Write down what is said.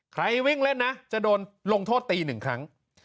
ใครวิ่งเล่นนะจะโดนลงโทษตีหนึ่งครั้ง